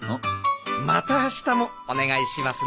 また明日もお願いしますね。